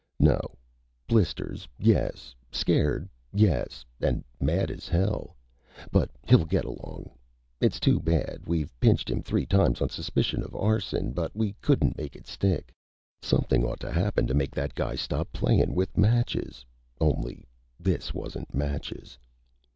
"No. Blisters, yes. Scared, yes. And mad as hell. But he'll get along. It's too bad. We've pinched him three times on suspicion of arson, but we couldn't make it stick. Something ought to happen to make that guy stop playin' with matches only this wasn't matches."